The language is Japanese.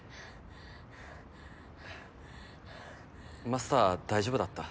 マスター大丈夫だった？